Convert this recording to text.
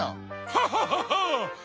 ハハハハ！